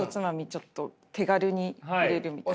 ちょっと手軽に入れるみたいな。